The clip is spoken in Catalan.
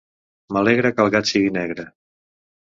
M'alegre, que el gat siga negre!